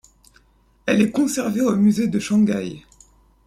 Elle est conservée au musée de Shanghai.